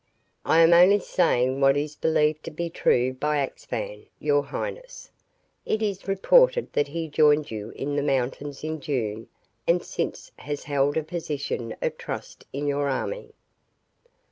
"I am only saying what is believed to be true by Axphain, your highness. It is reported that he joined you in the mountains in June and since has held a position of trust in your army."